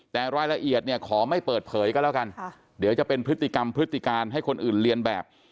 แต่รายละเอียดเนี่ยขอไม่เปิดเผยก็แล้วกันเดี๋ยวจะเป็นพฤติกรรมพฤติการให้คนอื่นเรียนแบบ